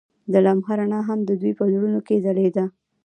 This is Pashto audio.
د لمحه رڼا هم د دوی په زړونو کې ځلېده.